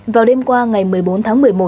vào đêm qua ngày một mươi bốn tháng một mươi một